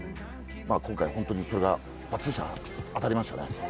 今回、本当にそれがばっちり当たりましたね。